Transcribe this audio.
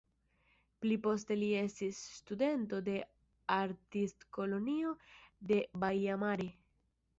Pli poste li estis studento de Artistkolonio de Baia Mare.